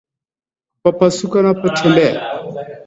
Kupepesuka anapotembea